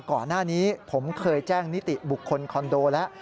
ก่อนหน้านี้ผมเคยแจ้งนิติบุคคลคอนโดแล้ว